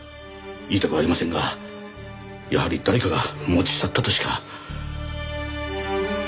言いたくありませんがやはり誰かが持ち去ったとしか。